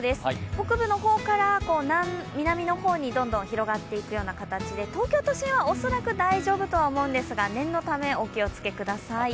北部の方から南の方にどんどん広がっていくような形で東京都心は恐らく大丈夫とは思うんですが念のためお気をつけください。